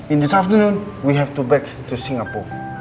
ini pagi kita harus kembali singapura